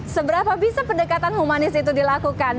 seberapa bisa pendekatan humanis itu dilakukan